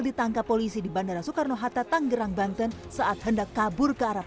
ditangkap polisi di bandara soekarno hatta tanggerang banten saat hendak kabur ke arab